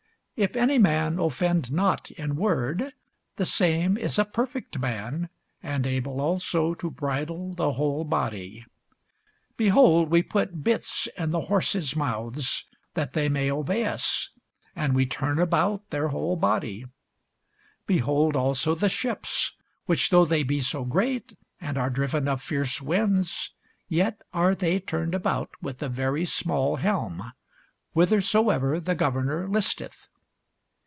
If any man offend not in word, the same is a perfect man, and able also to bridle the whole body. Behold, we put bits in the horses' mouths, that they may obey us; and we turn about their whole body. Behold also the ships, which though they be so great, and are driven of fierce winds, yet are they turned about with a very small helm, whithersoever the governor listeth.